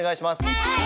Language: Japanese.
はい！